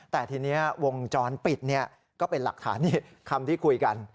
แต่ทีนี้วงจรปิดก็เป็นหลักฐานนี่คำที่คุยกัน